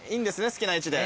好きな位置で。